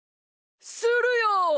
するよ！